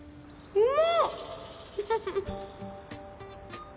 うん。